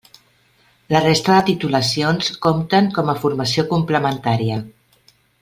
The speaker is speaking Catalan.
La resta de titulacions compten com a formació complementària.